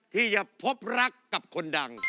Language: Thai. ที่จะพบรักกับคนดัง